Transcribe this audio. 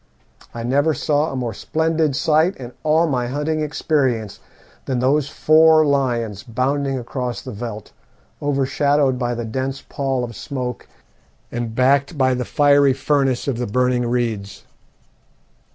I never saw a more splendid sight in all my hunting experience than those four lions bounding across the veldt, overshadowed by the dense pall of smoke and backed by the fiery furnace of the burning reeds.